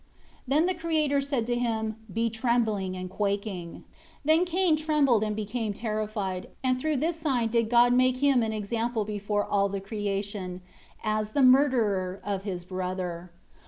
Then the Creator said to him, "Be trembling and quaking." 25 Then Cain trembled and became terrified; and through this sign did God make him an example before all the creation, as the murderer of his brother.